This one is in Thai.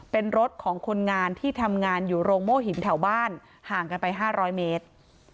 เป็นรถของคนงานที่ทำงานอยู่โรงโม่หินแถวบ้านห่างกันไป๕๐๐เมตร